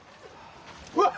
うわっ！